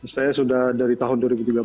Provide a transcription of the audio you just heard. saya sudah dari tahun dua ribu tiga belas